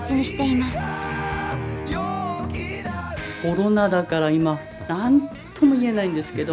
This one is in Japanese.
コロナだから今何とも言えないんですけど